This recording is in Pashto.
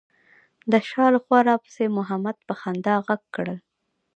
د شا له خوا راپسې محمد په خندا غږ کړل.